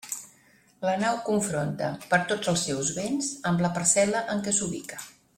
La nau confronta: per tots els seus vents, amb la parcel·la en què s'ubica.